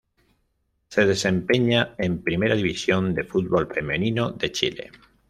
Se desempeña en Primera División de fútbol femenino de Chile.